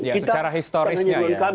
ya secara historisnya ya